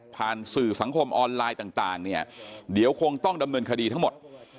ผ่านสื่อสังคมออนไลน์ต่างเนี่ยเดี๋ยวคงต้องดำเนินคดีทั้งหมด